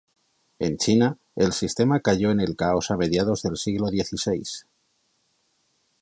En China, el sistema cayó en el caos a mediados del siglo xvi.